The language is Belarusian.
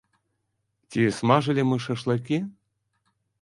Ці смажылі мы шашлыкі?